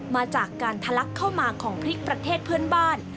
มาจากการทะลักเข้ามาของพริกประเทศเพื่อนบ้าน